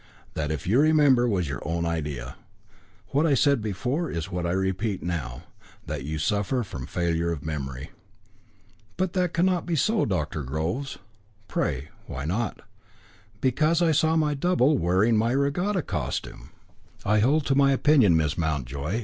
That, if you remember, was your own idea. What I said before is what I repeat now, that you suffer from failure of memory." "But that cannot be so, Dr. Groves." "Pray, why not?" "Because I saw my double, wearing my regatta costume." "I hold to my opinion, Miss Mountjoy.